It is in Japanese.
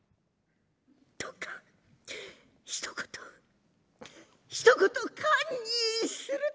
「どうかひと言ひと言『堪忍する』と」。